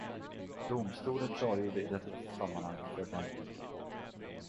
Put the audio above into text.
Domstolen klargjorde i detta sammanhang följande.